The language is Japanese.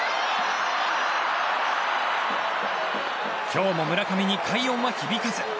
今日も村上に快音は響かず。